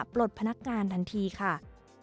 ปลดพนักงานทันทีค่ะ